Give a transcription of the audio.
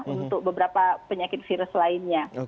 untuk beberapa penyakit virus lainnya